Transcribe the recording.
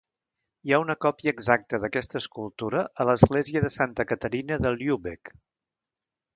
Hi ha una còpia exacta d'aquesta escultura a l'església de Santa Caterina de Lübeck.